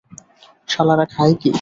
শালারা খায় কী?